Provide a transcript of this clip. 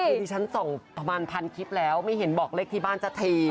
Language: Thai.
คือดิฉันส่องประมาณพันคลิปแล้วไม่เห็นบอกเลขที่บ้านสักที